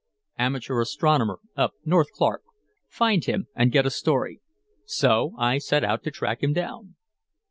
Amateur astronomer up North Clark. Find him and get a story.' So I set out to track him down...."